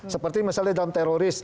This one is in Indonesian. seperti misalnya dalam teroris